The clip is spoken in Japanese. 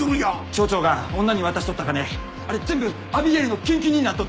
町長が女に渡しとった金あれ全部アビゲイルの献金になっとったんやと思う。